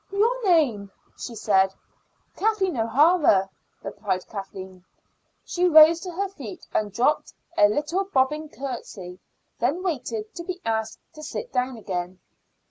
"Your name?" she said. "Kathleen O'Hara," replied Kathleen. She rose to her feet and dropped a little bobbing curtsy, then waited to be asked to sit down again.